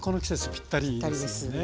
ぴったりです。